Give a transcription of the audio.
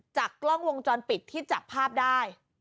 จากกล้องวงจรปิดที่จับภาพได้